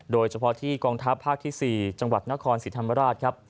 โดยเฉพาะที่กองทัพภาคที่๔จังหวัดนครศรีธรรมราชครับ